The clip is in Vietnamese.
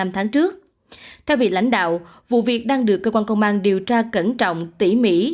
theo vị lãnh đạo vụ việc đang được cơ quan công an điều tra cẩn trọng tỉ mỉ